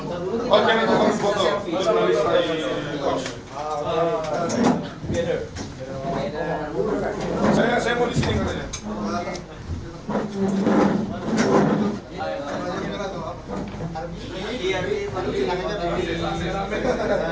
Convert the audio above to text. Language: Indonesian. oke kita akan berbentuk